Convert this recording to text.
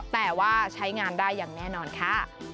แต่ว่าใช้งานได้อย่างแน่นอนค่ะ